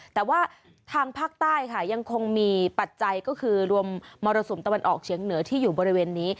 แต่ว่าทางภาคใต้ค่ะยังคงมีปัจจัยก็คือรวมมรสุมตะวันออกเฉียงเหนือที่อยู่บริเวณนี้